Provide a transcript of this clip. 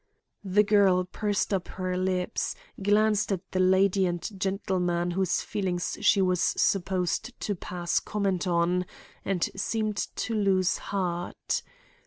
The girl pursed up her lips, glanced at the lady and gentleman whose feelings she was supposed to pass comment on, and seemed to lose heart.